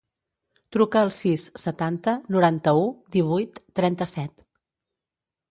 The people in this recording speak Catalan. Truca al sis, setanta, noranta-u, divuit, trenta-set.